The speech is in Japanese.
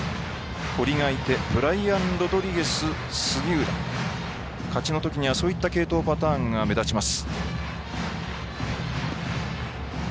堀がいてブライアン・ロドリゲス杉浦勝ちのときにはそういった継投パターンが目立ちます。